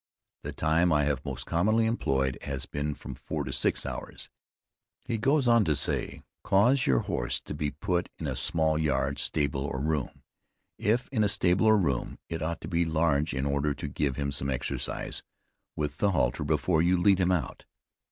The time I have most commonly employed has been from four to six hours. He goes on to say: "Cause your horse to be put in a small yard, stable, or room. If in a stable or room, it ought to be large in order to give him some exercise with the halter before you lead him out.